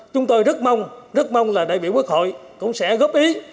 chúng tôi rất mong rất mong là đại biểu quốc hội cũng sẽ góp ý